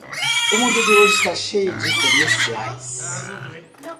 O mundo de hoje está cheio de comerciais.